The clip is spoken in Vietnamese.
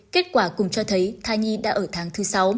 kết quả cùng cho thấy thai nhi đã ở tháng thứ sáu